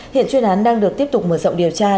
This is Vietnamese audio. hiện chuyên án đang được tiếp tục mở rộng điều tra